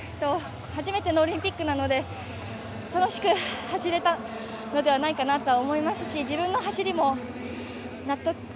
初めてのオリンピックなので、楽しく走れたのではないかなと思いますし自分の走りも納得？